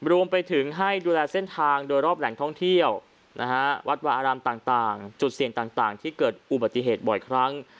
รวมไปถึงให้ดูแลเส้นทางโดยรอบแหล่งท่องเที่ยววัดวาอารามต่างจุดเสี่ยงต่างที่เกิดอุบัติเหตุบ่อยครั้ง